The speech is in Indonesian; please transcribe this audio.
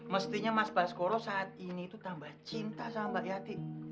mestinya mas baskoro saat ini itu tambah cinta sama mbak yati